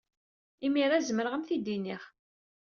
Imir-a, zemreɣ ad am-t-id-iniɣ.